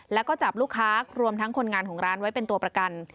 แล้วก็จับลูกค้ารวมทั้งคนงานของร้านไว้เป็นตัวประกัน